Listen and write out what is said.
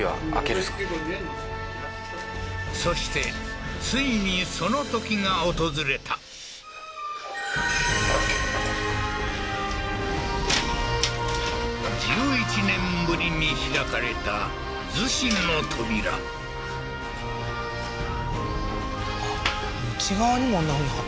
そしてついにそのときが訪れた１１年ぶりに開かれた厨子の扉あっ